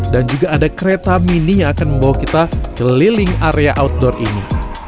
juga ada kereta mini yang akan membawa kita keliling area outdoor ini